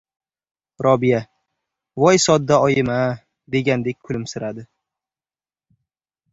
Robiya «voy, sodda oyim-a», degandek kulimsiradi.